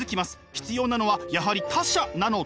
必要なのはやはり「他者」なのだと。